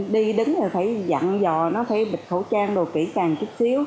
đi đứng là phải dặn dò nó phải bịt khẩu trang đồ kỹ càng chút xíu